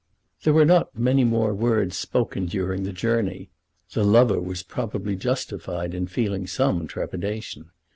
There were not many more words spoken during the journey. The lover was probably justified in feeling some trepidation.